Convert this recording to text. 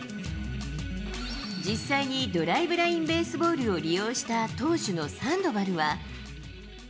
実際にドライブラインベースボールを利用した投手のサンドバルは。